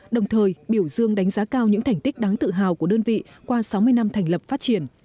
đồng thời biểu dương đánh giá cao những thành tích đáng tự hào của đơn vị qua sáu mươi năm thành lập phát triển